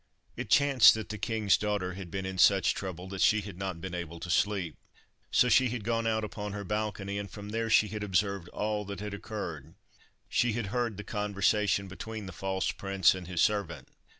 It chanced that the king's daughter had been in such trouble that she had not been able to sleep. So she had gone out upon her balcony, and from there she had observed all that had occurred. She had heard the conversation between the false prince and his servant.